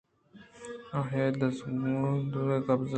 آئی ءَ دروازگ ءِ کبزہ دست جت